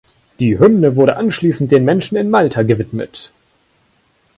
Die Hymne wurde anschließend den Menschen in Malta gewidmet.